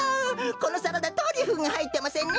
このサラダトリュフがはいってませんね！